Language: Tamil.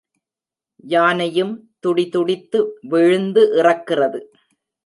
யானையும் துடிதுடித்து விழுந்து இறக்கிறது.